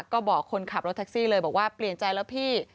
ก็บอกคนขับรถแท็กซี่เลยบอกว่าเปลี่ยนใจแล้วพี่